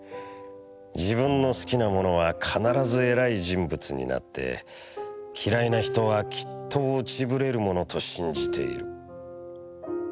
自分の好きなものは必ずえらい人物になって、嫌いなひとはきっと落ち振れるものと信じている。